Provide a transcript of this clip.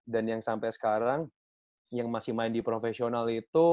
dan yang sampai sekarang yang masih main di profesional itu